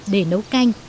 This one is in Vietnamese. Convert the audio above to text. để nấu canh